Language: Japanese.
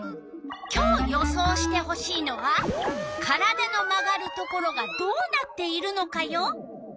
今日予想してほしいのは「体の曲がるところがどうなっているのか」よ。